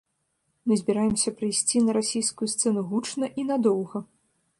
Мы збіраемся прыйсці на расійскую сцэну гучна і надоўга.